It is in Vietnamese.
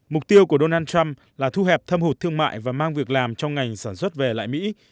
mục tiêu của donald trump là thu hẹp thâm hụt thương mại và mang việc làm trong ngành sản xuất về lại mỹ